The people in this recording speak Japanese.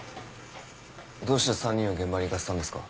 どうして３人を現場に行かせたんですか？